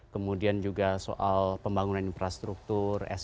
kemudian juga soal pembangunan infrastruktur